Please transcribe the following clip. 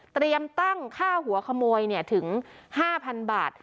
เตรียมตั้งค่าหัวขโมยถึง๕๐๐๐บาท